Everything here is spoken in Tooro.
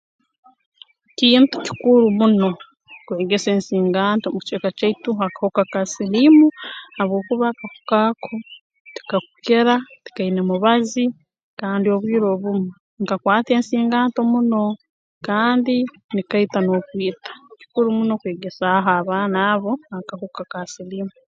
Kintu kikuru muno kwegesa ensinganto mu kicweka kyaitu ha kahuka ka siliimu habwokuba akahuka ako tikakukira tikaine mubazi kandi obwire obumu nkakwata ensinganto muno kandi nikaita n'okwita kikuru muno kwegesaaho abaana abo ha kahuka ka siliimu